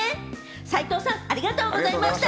齊藤さん、ありがとうございました。